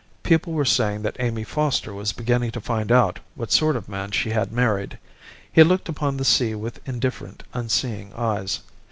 People were saying that Amy Foster was beginning to find out what sort of man she had married. He looked upon the sea with indifferent, unseeing eyes.